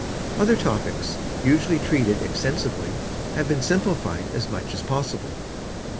Other topics, usually treated extensively, have been simplified as much as possible.